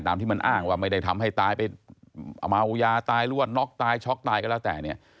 ที่มันอ้างว่าไม่ได้ทำให้ตายไปเมายาตายหรือว่าน็อกตายช็อกตายก็แล้วแต่เนี่ย